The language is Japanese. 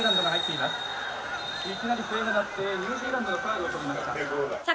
いきなり笛が鳴ってニュージーランドのファウルをとりました」。